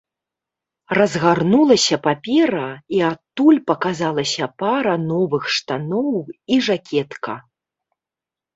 Разгарнулася папера, і адтуль паказалася пара новых штаноў і жакетка.